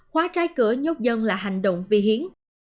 khóa trái cửa nhốt dân là hành động vi hiến